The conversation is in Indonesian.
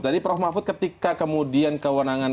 jadi prof mahfud ketika kemudian kewenangan